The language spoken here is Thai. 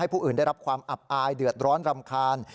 ผู้อื่นได้รับความอับอายเดือดร้อนรำคาญ